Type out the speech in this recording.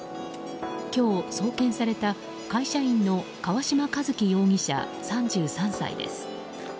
今日、送検された会社員の川嶋一輝容疑者、３３歳です。